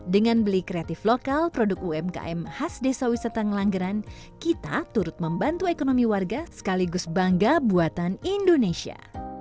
dengan beli kreatif lokal produk umkm khas desa wisata ngelanggeran kita turut membantu ekonomi warga sekaligus bangga buatan indonesia